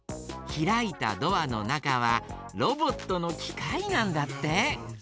ひらいたドアのなかはロボットのきかいなんだって。